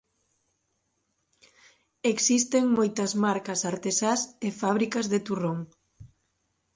Existen moitas marcas artesás e fábricas de turrón.